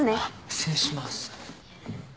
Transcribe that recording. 失礼します。